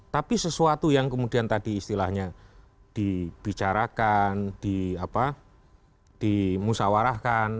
tapi sesuatu yang kemudian tadi istilahnya dibicarakan dimusawarahkan